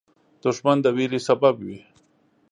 دښمن د ویرې سبب وي